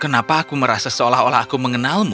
kenapa aku merasa seolah olah aku mengenalmu